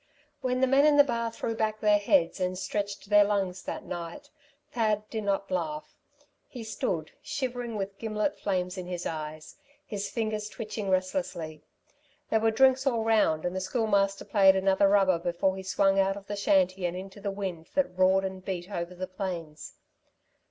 When the men in the bar threw back their heads and stretched their lungs that night, Thad did not laugh. He stood, shivering, with gimlet flames in his eyes, his fingers twitching restlessly. There were drinks all round and the Schoolmaster played another rubber before he swung out of the shanty and into the wind that roared and beat over the plains.